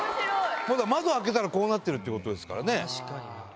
窓開けたらこうなってるってことですからね。